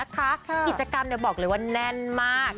กิจกรรมบอกเลยว่าแน่นมาก